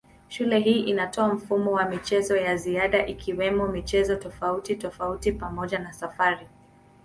Shule hii inatoa mfumo wa michezo ya ziada ikiwemo michezo tofautitofauti pamoja na safari.